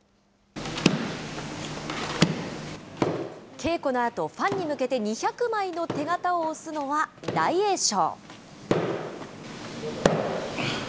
稽古のあと、ファンに向けて２００枚の手形を押すのは、大栄翔。